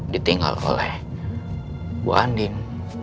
ditinggal oleh bu anding